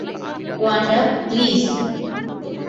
Wanda, please.